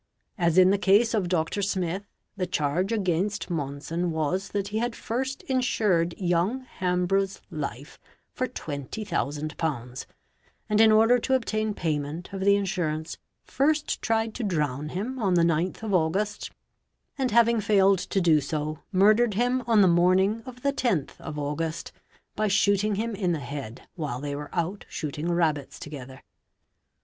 As in the case of Dr. Smith, the charge against Monson was that he had first insured young Hambrough's life for £20,000, and in order to obtain payment of the insurance first tried to drown him on the 9th August, and having failed to do so murdered him on the morning of the 10th August by shooting him in the head while they were out shooting rab — bits together.